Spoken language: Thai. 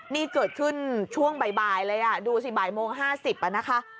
นี่เกิดขึ้นช่วงบ่ายเลยอ่ะดูสิบ่ายโมงห้าสิบอ่ะนะคะ